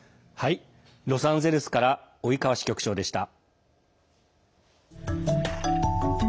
ロサンゼルスから及川支局長でした。